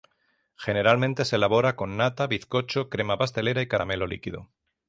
Generalmente se elabora con nata, bizcocho, crema pastelera y caramelo líquido.